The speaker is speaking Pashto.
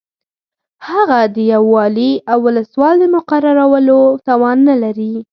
هغه د یو والي او ولسوال د مقررولو توان نه لري.